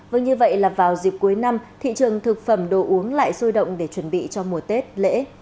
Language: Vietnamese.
vâng như vậy là vào dịp cuối năm thị trường thực phẩm đồ uống lại sôi động để chuẩn bị cho mùa tết lễ